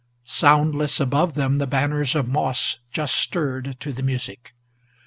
Soundless above them the banners of moss just stirred to the music.